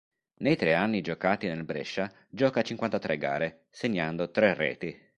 Nei tre anni giocati nel Brescia gioca cinquantatré gare, segnando tre reti.